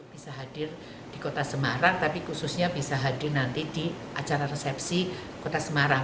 bisa hadir di kota semarang tapi khususnya bisa hadir nanti di acara resepsi kota semarang